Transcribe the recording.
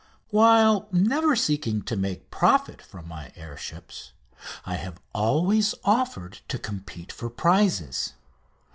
While never seeking to make profit from my air ships, I have always offered to compete for prizes.